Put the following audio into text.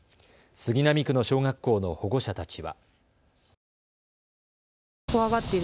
杉並区の小学校の保護者たちは。